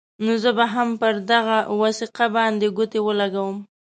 نو زه به هم پر دغه وثیقه باندې ګوتې ولګوم.